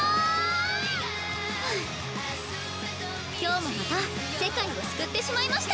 今日もまた世界を救ってしまいました！